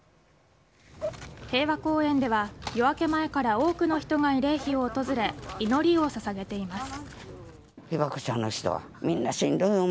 平和公園では、夜明け前から多くの人が慰霊碑を訪れ祈りを捧げています。